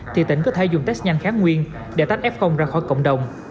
thì tỉnh có thể dùng test nhanh kháng nguyên để tách f ra khỏi cộng đồng